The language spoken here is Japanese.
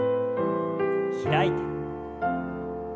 開いて。